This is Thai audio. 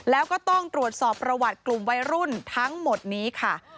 แล้วก็ต้องตรวจสอบประวัติกลุ่มวัยรุ่นทั้งหมดนี้ค่ะ